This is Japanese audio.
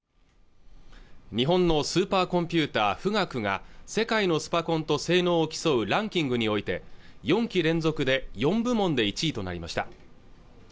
日本のスーパーコンピューター富岳が世界のスパコンと性能を競うランキングにおいて４期連続で４部門で１位となりました